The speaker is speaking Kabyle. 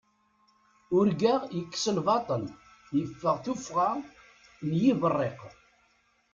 Urgaɣ yekkes lbaṭel, yeffeɣ tuffɣa n yiberriq.